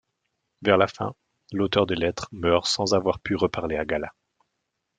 Vers la fin, l'auteur des lettres meurt sans avoir pu reparler à Galla.